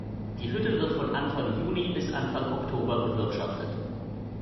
Die Hütte wird von Anfang Juni bis Anfang Oktober bewirtschaftet.